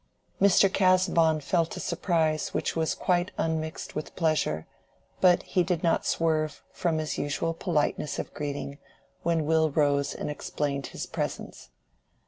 Mr. Casaubon felt a surprise which was quite unmixed with pleasure, but he did not swerve from his usual politeness of greeting, when Will rose and explained his presence.